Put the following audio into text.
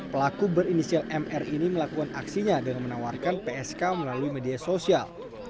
pelaku berinisial mr ini melakukan aksinya dengan menawarkan psk melalui media sosial